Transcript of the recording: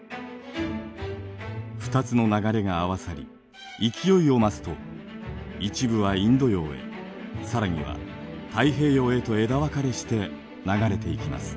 ２つの流れが合わさり勢いを増すと一部はインド洋へ更には太平洋へと枝分かれして流れていきます。